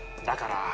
だから。